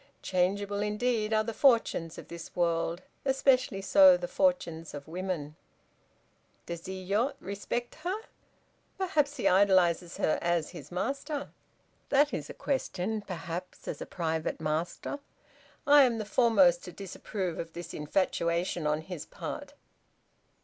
Changeable indeed are the fortunes of this world, especially so the fortunes of women!" "Does Iyo respect her? Perhaps he idolizes her, as his master." "That is a question, perhaps, as a private master. I am the foremost to disapprove of this infatuation on his part."